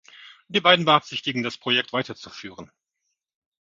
Die beiden beabsichtigen, das Projekt weiterzuführen.